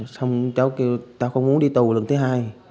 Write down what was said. xong cháu kêu tao không muốn đi tù lần thứ hai